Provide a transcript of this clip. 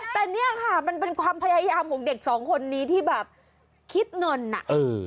แต่เนี่ยค่ะมันเป็นความพยายามของเด็กสองคนนี้ที่แบบคิดเงินอ่ะเออ